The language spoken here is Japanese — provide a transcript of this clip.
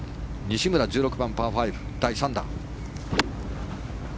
西村、１６番パー５、第３打。